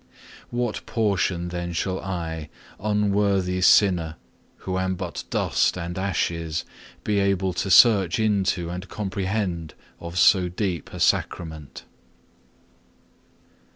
What portion then shall I, unworthy sinner, who am but dust and ashes, be able to search into and comprehend of so deep a Sacrament?